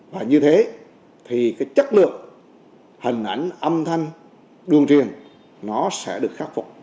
và như thế thì cái chất lượng hình ảnh âm thanh đường truyền nó sẽ được khắc phục